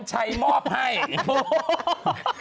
กัญชัยมอบให้คุณจะเอายังอื่นนะครับ